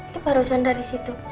dia barusan dari situ